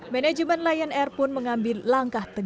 manajemen lion air pun mengambil langkah tegas